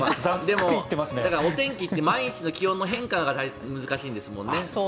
お天気って毎日の気温の変化が難しいんですもんね。